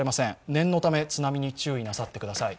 念のため、津波に注意なさってください。